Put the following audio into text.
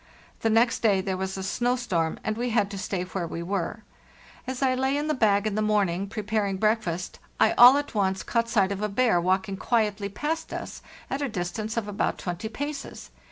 The next day there was a snow storm, and we had to stay where we were. As [ lay in the bag in the morning, preparing breakfast, I all at once caught sight of a bear walking quietly past us at a distance of about twenty paces.